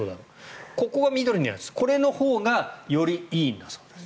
ここが緑のやつのほうがよりいいんだそうです。